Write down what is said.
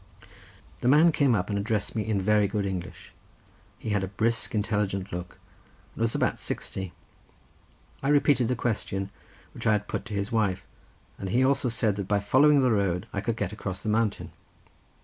The man came up and addressed me in very good English: he had a brisk, intelligent look, and was about sixty. I repeated the question which I had put to his wife, and he also said that by following the road I could get across the mountain.